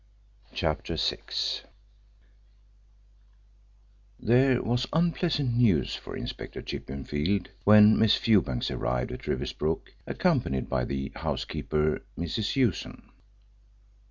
CHAPTER VI There was unpleasant news for Inspector Chippenfield when Miss Fewbanks arrived at Riversbrook accompanied by the housekeeper, Mrs. Hewson.